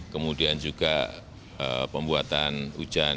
kemudian juga pembuatan hujan